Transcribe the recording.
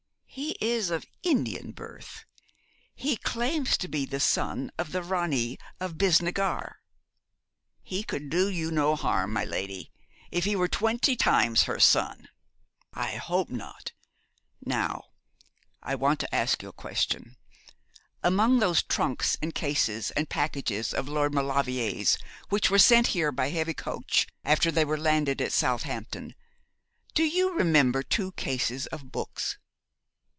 'He is of Indian birth. He claims to be the son of the Ranee of Bisnagar.' 'He could do you no harm, my lady, if he were twenty times her son.' 'I hope not. Now, I want to ask you a question. Among those trunks and cases and packages of Lord Maulevrier's which were sent here by heavy coach, after they were landed at Southampton, do you remember two cases of books?'